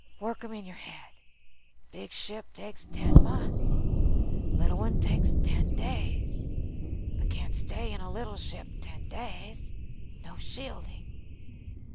Work 'em in your head. Big ship takes ten months, little one takes ten days. But can't stay in a little ship ten days. No shielding.